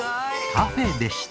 カフェでした。